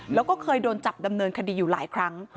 แล้วก็เคยโดนจับดำเนินคดีอยู่หลายครั้ง